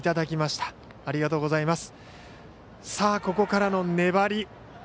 ここからの粘り